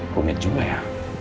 bungit juga ya